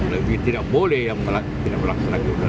lebih tidak boleh yang tidak melaksanakan